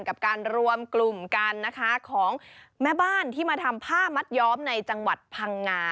กับการรวมกลุ่มกันนะคะของแม่บ้านที่มาทำผ้ามัดย้อมในจังหวัดพังงา